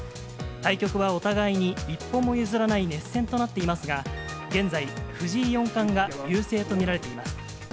対局はお互いに一歩も譲らない熱戦となっていますが、現在、藤井四冠が優勢と見られています。